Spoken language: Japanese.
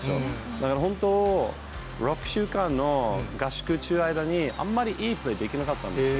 だから本当、６週間の合宿中、間に、あんまりいいプレーできなかったんですよ。